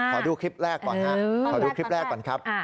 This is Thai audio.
ขอดูคลิปแรกก่อนครับขอดูคลิปแรกก่อนครับ